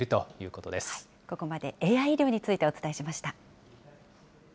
ここまでＡＩ医療についてお伝えしました。